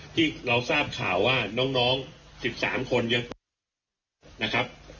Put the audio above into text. ที่เราทราบข่าวว่าน้อง๑๓คนยังนะครับ